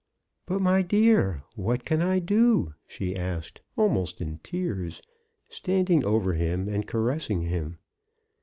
"But, my dear, what can I do?" she asked, almost in tears, stand ing over him and caressing him.